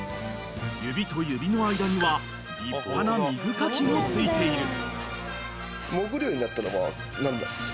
［指と指の間には立派な水かきもついている］